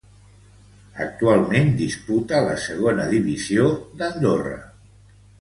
Actualment disputa la Segona Divisió d'Andorra.